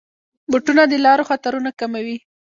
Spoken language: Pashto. بوټونه د لارو خطرونه کموي.